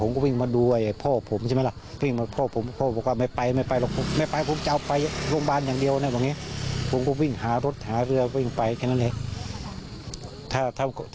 ไม่ได้ถามเพราะพ่อผมออกไปโรงพยาบาลมันก็กลับบ้านไปบ้าน